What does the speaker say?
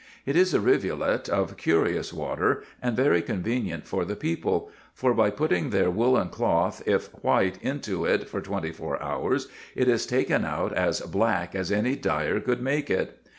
It is a rivulet of curious water, and very convenient for the people; for by putting their woollen cloth, if white, into it, for twenty four hours, it is taken out as black as any dyer could make it.